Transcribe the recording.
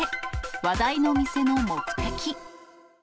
話題の店の目的。